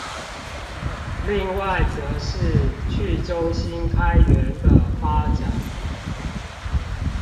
另外則是去中心開源的發展